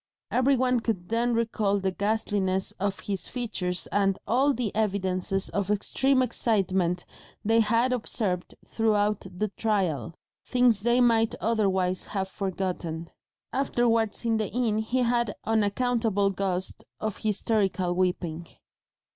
Every one could then recall the ghastliness of his features and all the evidences of extreme excitement they had observed throughout the trial, things they might otherwise have forgotten. Afterwards in the inn he had an unaccountable gust of hysterical weeping.